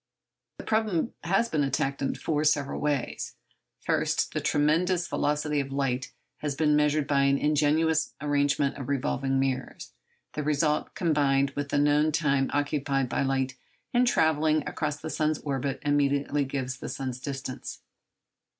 The problem has been attacked in four several ways. First, the tremendous velocity of light has been measured by an ingenious arrangement of revolving mirrors; the result combined with the known time occupied by light in travelling across the earth's orbit immediately gives the sun's distance.